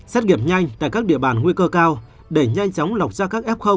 xét nghiệm nhanh tại các địa bàn nguy cơ cao để nhanh chóng lọc ra các f